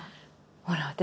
ほら私